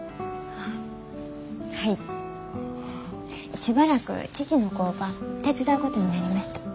しばらく父の工場手伝うことになりました。